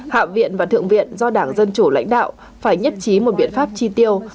hạ viện và thượng viện do đảng dân chủ lãnh đạo phải nhất trí một biện pháp chi tiêu